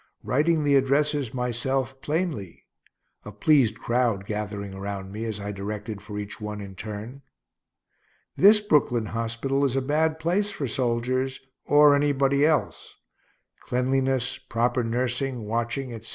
writing the addresses myself plainly (a pleased crowd gathering around me as I directed for each one in turn.) This Brooklyn hospital is a bad place for soldiers, or anybody else. Cleanliness, proper nursing, watching, etc.